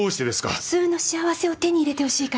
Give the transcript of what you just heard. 普通の幸せを手に入れてほしいからよ